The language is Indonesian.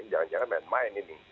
jangan jangan main main ini